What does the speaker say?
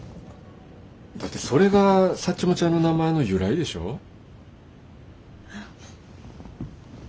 だってそれがサッチモちゃんの名前の由来でしょ？はあ。